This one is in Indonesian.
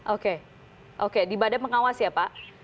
oke oke di badan pengawas ya pak